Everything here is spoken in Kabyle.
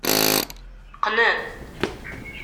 Qqnen.